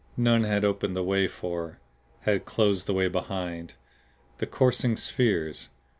None had opened the way for, had closed the way behind, the coursing spheres.